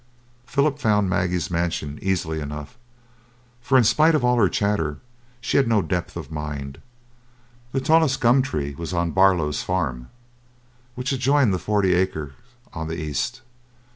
Philip found Maggie's mansion easily enough; for, in spite of all her chatter, she had no depth of mind. The tallest gum tree was on Barlow's farm which adjoined the forty acre on the east.